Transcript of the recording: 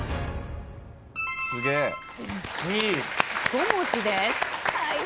５文字です。